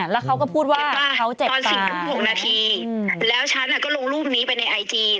แล้วเขาก็พูดว่าตอน๔ทุ่ม๖นาทีแล้วฉันก็ลงรูปนี้ไปในไอจี